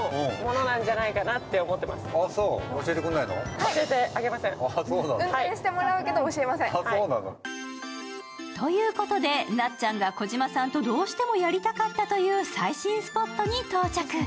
続いて向かう場所は？ということで、なっちゃんが児嶋さんとどうしてもやりたかったという最新スポットに到着。